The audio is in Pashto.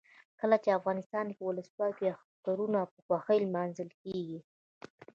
کله چې افغانستان کې ولسواکي وي اخترونه په خوښۍ لمانځل کیږي.